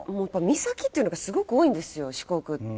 岬っていうのがすごく多いんですよ四国って。